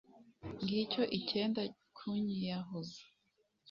ngicyo ikenda kunyiyahuza